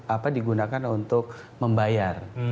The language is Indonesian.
apa digunakan untuk membayar